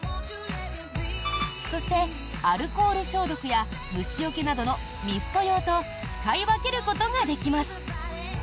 そして、アルコール消毒や虫よけなどのミスト用と使い分けることができます。